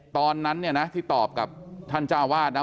ตอนนั้นเนี่ยนะที่ตอบกับท่านเจ้าวาดนะ